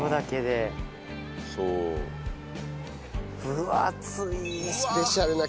分厚い！